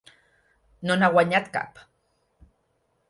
No n'ha guanyat cap.